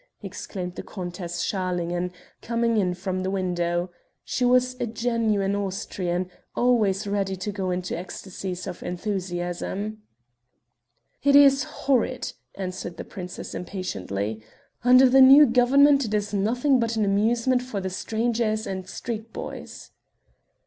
exclaimed the Countess Schalingen, coming in from the window. She was a genuine Austrian, always ready to go into ecstasies of enthusiasm. "It is horrid," answered the princess impatiently. "Under the new government it is nothing but an amusement for the strangers and street boys."